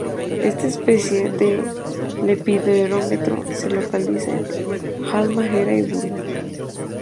Esta especie de lepidóptero se localiza en Halmahera y Buru.